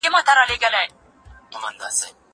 دا کتابونه له هغو مهم دي؟!